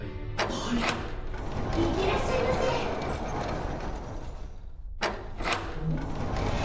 はい行ってらっしゃいませうん？